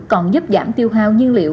còn giúp giảm tiêu hao nhiên liệu